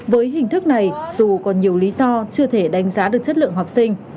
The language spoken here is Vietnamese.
với hình thức này dù còn nhiều lý do chưa thể đánh giá được chất lượng học sinh